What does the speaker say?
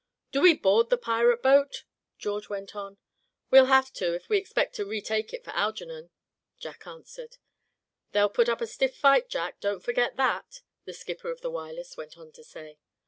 "Do we board the pirate boat?" George went on. "We'll have to, if we expect to retake it for Algernon," Jack answered. "They'll put up a stiff fight, Jack, don't forget that," the skipper of the Wireless went on to say.